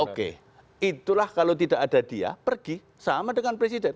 oke itulah kalau tidak ada dia pergi sama dengan presiden